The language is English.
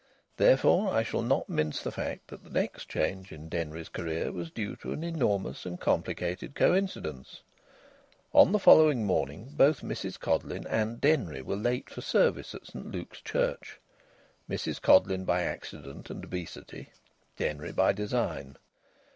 Therefore I shall not mince the fact that the next change in Denry's career was due to an enormous and complicated coincidence. On the following morning both Mrs Codleyn and Denry were late for service at St Luke's Church Mrs Codleyn by accident and obesity, Denry by design.